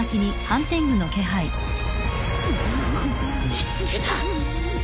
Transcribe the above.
見つけた！